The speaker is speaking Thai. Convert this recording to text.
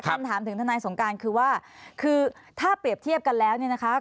คำถามถึงทนายสงการคือว่าคือถ้าเปรียบเทียบกันแล้วเนี่ยนะคะ